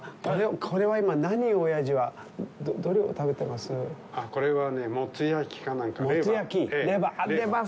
これは、今、何をおやじは、どれを食べてます？